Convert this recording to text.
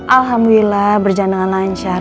alhamdulillah berjalan dengan lancar